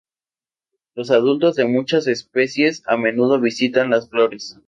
Los adultos de muchas especies a menudo visitan las flores.